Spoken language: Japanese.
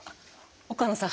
岡野さん